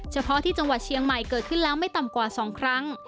เฉพาะที่จังหวัดเชียงใหม่เกิดขึ้นแล้วไม่ต่ำกว่า๒ครั้ง